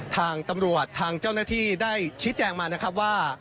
ทางตำรวจทางเจ้าหน้าที่ได้ชี้แจงมานะครับว่า